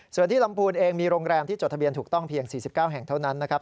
ส่วนที่ลำพูนเองมีโรงแรมที่จดทะเบียนถูกต้องเพียง๔๙แห่งเท่านั้นนะครับ